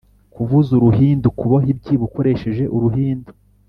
kuvuza uruhindu: kuboha ibyibo ukoresheje uruhindu